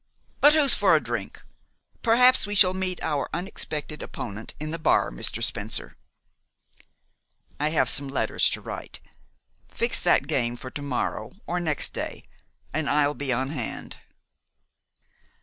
"But who's for a drink? Perhaps we shall meet our expected opponent in the bar, Mr. Spencer." "I have some letters to write. Fix that game for to morrow or next day, and I'll be on hand."